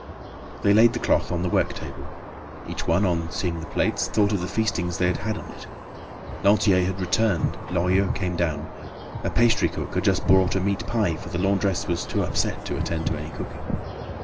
They laid the cloth on the work table. Each one, on seeing the plates, thought of the feastings they had had on it. Lantier had returned. Lorilleux came down. A pastry cook had just brought a meat pie, for the laundress was too upset to attend to any cooking.